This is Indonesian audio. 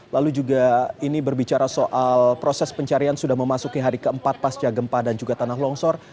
lalu juga ini berbicara soal proses pencarian sudah memasuki hari keempat pasca gempa dan juga tanah longsor